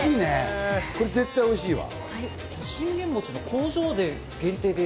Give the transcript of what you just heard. これ、絶対おいしいわ。